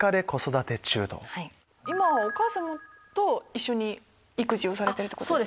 今はお母さまと一緒に育児をされてるってことですか？